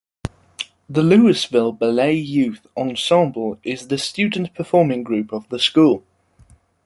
The Louisville Ballet Youth Ensemble is the student performing group of the School.